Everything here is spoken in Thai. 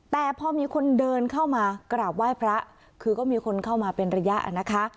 แต่พอมีคนเดินเข้ามากราบไหว้พระคือก็มีคนเข้ามาเป็นระยะนะคะ